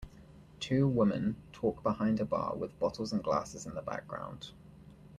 Two woman talk behind a bar with bottles and glasses in the background.